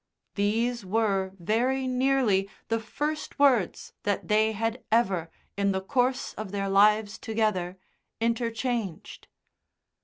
These were, very nearly, the first words that they had ever, in the course of their lives together, interchanged.